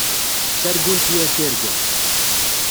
Ttargunt yir tirga.